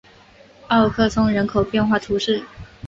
奥克松人口变化图示